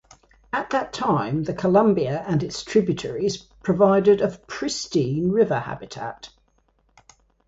At that time, the Columbia and its tributaries provided of pristine river habitat.